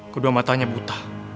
kedua matanya buta